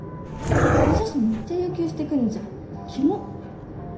顔写真めっちゃ要求してくんじゃんキモっ。